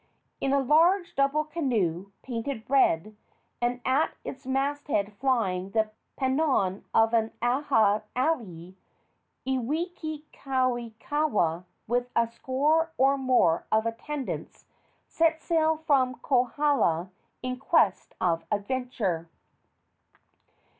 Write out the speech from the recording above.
In a large double canoe, painted red, and at its masthead flying the pennon of an aha alii, Iwikauikaua, with a score or more of attendants, set sail from Kohala in quest of adventure.